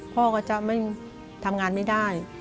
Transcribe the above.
พ่อก็จะไม่ทำงานไม่ได้